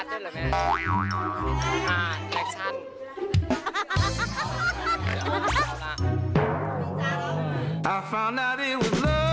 เดี๋ยวผมขอแป๊บนิดนึงค่ะ